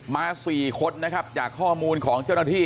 มา๔คนนะครับจากข้อมูลของเจ้าหน้าที่